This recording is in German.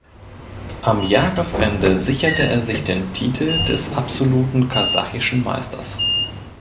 Am Jahresende sicherte er sich den Titel des "absoluten kasachischen Meisters".